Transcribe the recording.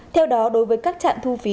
theo đó đối với các trạm thu phí